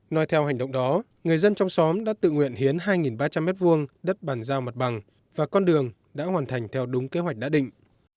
nói theo hành động đó người dân trong xóm đã tự nguyện hiến hai ba trăm linh m hai đất bàn giao mặt bằng và con đường đã hoàn thành theo đúng kế hoạch đã định